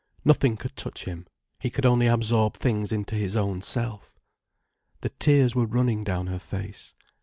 Nothing could touch him—he could only absorb things into his own self. The tears were running down her face.